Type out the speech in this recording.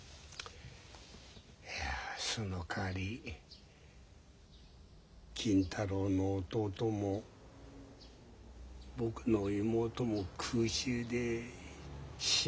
いやあそのかわり金太郎の弟も僕の妹も空襲で死んだ。